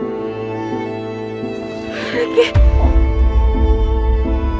kau tak tahu kan